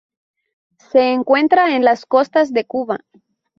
Se encuentra en las costas de Cuba.